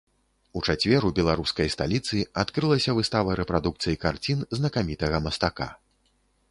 У чацвер у беларускай сталіцы адкрылася выстава рэпрадукцый карцін знакамітага мастака.